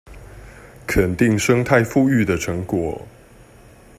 肯定生態復育的成果